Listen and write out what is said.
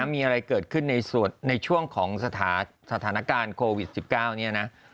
มีอะไรเกิดขึ้นในช่วงของสถานการณ์โควิด๑๙เนี่ยนะ